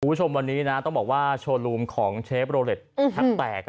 คุณผู้ชมวันนี้นะต้องบอกว่าโชว์รูมของเชฟโรเล็ตแทบแตก